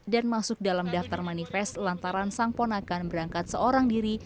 dan masuk dalam daftar manifest lantaran sang ponakan berangkat seorang diri